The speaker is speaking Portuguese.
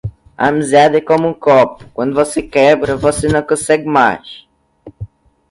A amizade é como um copo: quando você quebra, você não consegue mais.